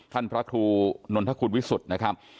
ท่านพระธูนนทคุณวิสุทธิ์นะครับ